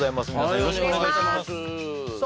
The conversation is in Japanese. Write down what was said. よろしくお願いしますさあ